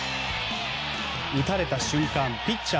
打たれた瞬間ピッチャー